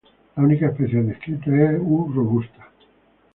La única especie descrita es "U. robusta".